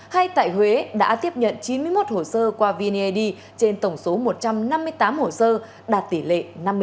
hay tại huế đã tiếp nhận chín mươi một hồ sơ qua vned trên tổng số một trăm năm mươi tám hồ sơ đạt tỷ lệ năm mươi sáu